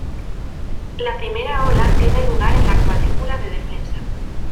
La primera ola tiene lugar en la cuadrícula de defensa.